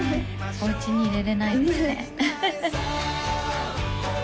おうちに入れれないですね